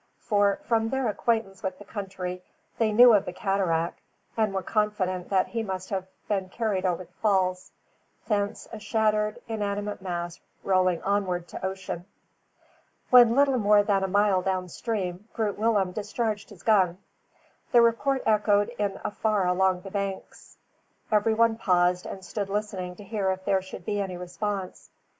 For, from their acquaintance with the country, they knew of the cataract; and were confident that he must have been carried over the falls; thence a shattered, inanimate mass rolling onward to ocean. When little more than a mile down stream, Groot Willem discharged his gun. The report echoed in afar along the banks. Every one paused and stood listening to hear if there should be any response.